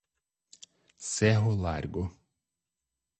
Cerro Largo